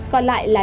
còn lại là